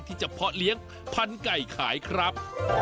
ที่จะเพาะเลี้ยงพันธุ์ไก่ขายครับ